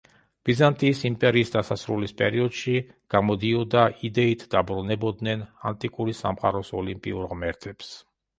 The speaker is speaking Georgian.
ბიზანტიის იმპერიის დასასრულის პერიოდში გამოდიოდა იდეით დაბრუნებოდნენ ანტიკური სამყაროს ოლიმპიურ ღმერთებს.